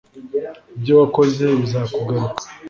ibyo wakoze bizakugaruka